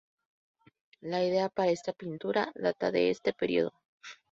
La idea para esta pintura data de este periodo.